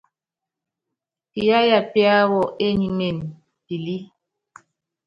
Piyááya píáwɔ enyímen pilí.